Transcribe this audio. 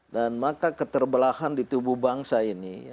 dan maka keterbelahan di tubuh bangsa ini